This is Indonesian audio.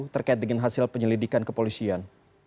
terkait dengan hasil penyelidikan kepolisian